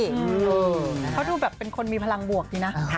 เพราะดูแบบเป็นคนมีพลังบวกอย่างนี้นะ